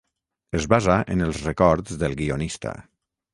Es basa en els records del guionista.